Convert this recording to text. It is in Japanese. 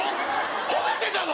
褒めてたの？